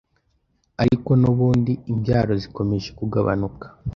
ariko nubundi imbyaro zikomeje kugabanuka